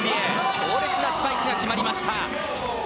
強烈なスパイクが決まりました。